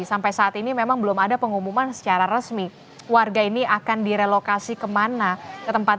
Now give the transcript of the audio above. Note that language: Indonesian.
sampai saat ini memang belum ada pengumuman secara resmi warga ini akan direlokasi kemana ke tempat